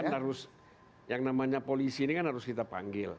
harus yang namanya polisi ini kan harus kita panggil